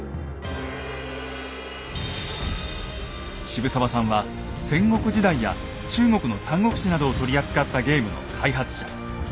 シブサワさんは戦国時代や中国の「三国志」などを取り扱ったゲームの開発者。